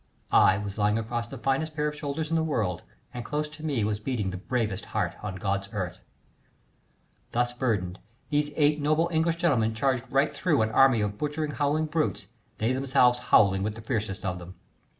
I was lying across the finest pair of shoulders in the world, and close to me was beating the bravest heart on God's earth. Thus burdened, these eight noble English gentlemen charged right through an army of butchering, howling brutes, they themselves howling with the fiercest of them.